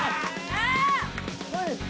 あっ！